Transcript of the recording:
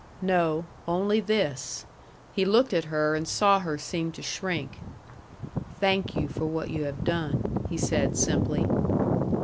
"No. Only this" he looked at her, and saw her seem to shrink "thank you for what you have done," he said simply.